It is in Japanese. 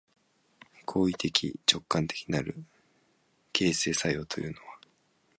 行為的直観的なる形成作用というのは、